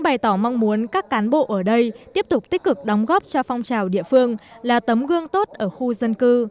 bày tỏ mong muốn các cán bộ ở đây tiếp tục tích cực đóng góp cho phong trào địa phương là tấm gương tốt ở khu dân cư